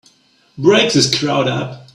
Break this crowd up!